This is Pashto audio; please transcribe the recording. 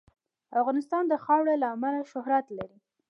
افغانستان د خاوره له امله شهرت لري.